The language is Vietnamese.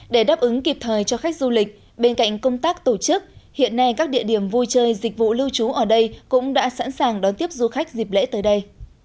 để đáp ứng kịp thời cho khách du lịch bên cạnh công tác tổ chức hiện nay các địa điểm vui chơi dịch vụ lưu trú ở đây cũng đã sẵn sàng đón tiếp du khách dịp lễ tới đây